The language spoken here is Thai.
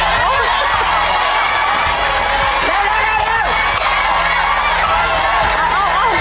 ไปลูกไปเรื่อยถุงที่๑ผ่านไป